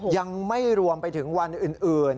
ยังไม่รวมไปถึงวันอื่น